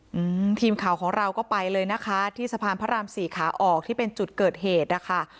อืมทีมข่าวของเราก็ไปเลยนะคะที่สะพานพระรามสี่ขาออกที่เป็นจุดเกิดเหตุนะคะ